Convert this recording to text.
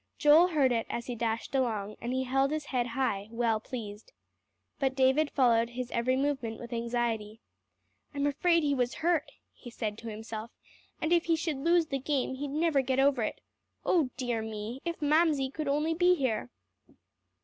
Joel heard it as he dashed along, and he held his head high, well pleased. But David followed his every movement with anxiety. "I'm afraid he was hurt," he said to himself; "and if he should lose the game, he'd never get over it. Oh dear me! if Mamsie could only be here!"